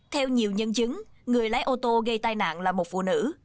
theo nhiều nhân chứng người lái ô tô gây tai nạn là một phụ nữ